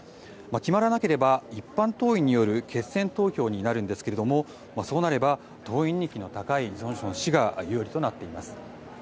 決まらなければ一般党員による決選投票になるんですがそうなれば、党員人気の高いジョンソン氏が有利となっています。